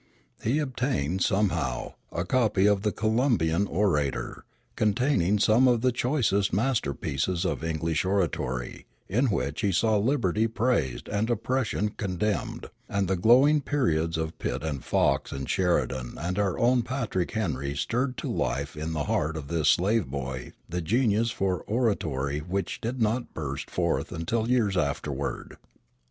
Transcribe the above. He obtained, somehow, a copy of The Columbian Orator, containing some of the choicest masterpieces of English oratory, in which he saw liberty praised and oppression condemned; and the glowing periods of Pitt and Fox and Sheridan and our own Patrick Henry stirred to life in the heart of this slave boy the genius for oratory which did not burst forth until years afterward.